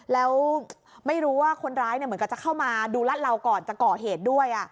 แล้วไม่รู้ว่าคนร้ายเหมือนกับจะเข้ามาดูรัดเราก่อนจะก่อเหตุด้วย